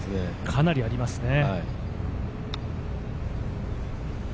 かなりありますね。